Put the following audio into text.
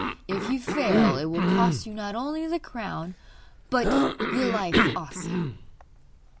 If you fail it will cost you not only the crown but you life also.